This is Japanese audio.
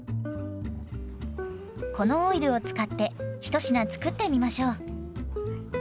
このオイルを使って一品作ってみましょう。